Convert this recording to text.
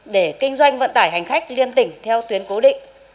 để kinh doanh vận tải hành khách liên tỉnh theo tuyến cố định